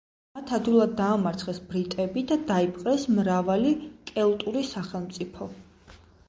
მათ ადვილად დაამარცხეს ბრიტები და დაიპყრეს მრავალი კელტური სახელმწიფო.